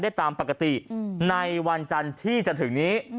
ได้ตามปกติในวันจันทร์ที่จะถึงนี้